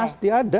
oh pasti ada